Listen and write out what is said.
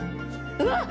うわっ！